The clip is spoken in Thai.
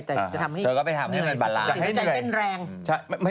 จะให้เห็นที่ไหน